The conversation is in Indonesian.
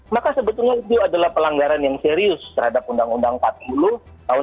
maka sebetulnya itu adalah pelanggaran yang serius terhadap undang undang empat puluh tahun dua ribu